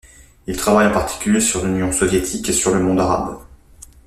Il travaille en particulier sur l'Union soviétique et sur le monde arabe.